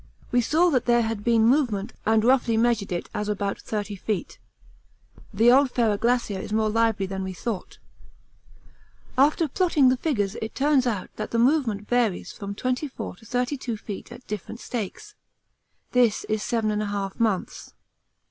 We saw that there had been movement and roughly measured it as about 30 feet. (The old Ferrar Glacier is more lively than we thought.) After plotting the figures it turns out that the movement varies from 24 to 32 feet at different stakes this is 7 1/2 months.